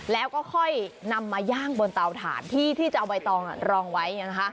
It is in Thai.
แล้วก็ค่อยนำมาย่างบนเตาถ่านที่จะเอาใบตองรองไว้